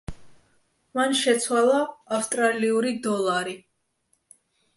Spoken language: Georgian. მან შეცვალა ავსტრალიური დოლარი.